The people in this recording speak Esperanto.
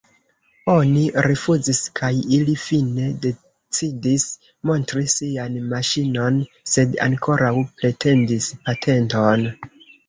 Oni rifuzis kaj ili, fine, decidis montri sian maŝinon, sed ankoraŭ pretendis patenton.